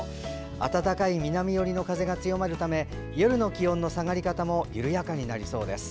暖かい南寄りの風が強まるため夜の気温の下がり方は緩やかになりそうです。